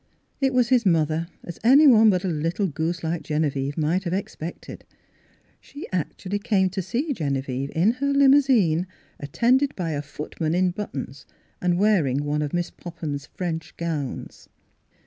It was his mother, as anyone but a little goose like Genevieve might have expected. She actually came to see Genevieve, in her limousine, attended by a footman in but tons, and wearing one of Miss Popham's French gowns.